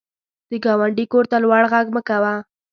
د ګاونډي کور ته لوړ غږ مه کوه